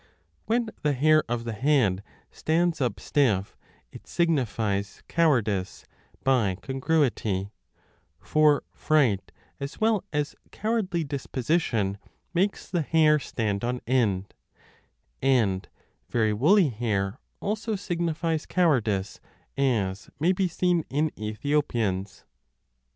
When the hair of the head stands up stiff, it signifies cowardice, by 30 congruity, for fright, as well as cowardly disposition, makes the hair stand on end : and very woolly hair also signifies cowardice, as may be seen in Ethiopians.